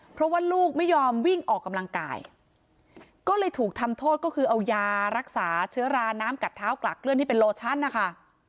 เพราะว่าลูกไม่ยอมวิ่งออกกำลังกายก็เลยถูกทำโทษก็คือเอายารักษาเชื้อราน้ำกัดเท้ากลักเลื่อนที่เป็นโลชั่นนะคะ